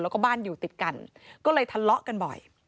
แล้วก็บ้านอยู่ติดกันก็เลยทะเลาะกันบ่อย